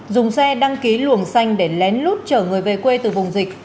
dùng xe đăng ký luồng xanh để lén lút chở người về quê từ vùng dịch